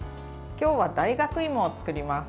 今日は大学いもを作ります。